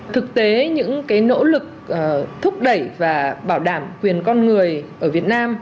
thực tế những nỗ lực thúc đẩy và bảo đảm quyền con người ở việt nam